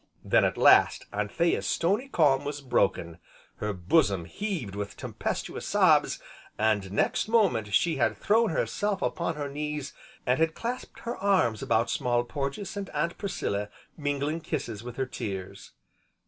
Then, at last, Anthea's stony calm was broken, her bosom heaved with tempestuous sobs, and, next moment, she had thrown herself upon her knees, and had clasped her arms about Small Porges and Aunt Priscilla, mingling kisses with her tears.